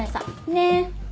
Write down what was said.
ねえ。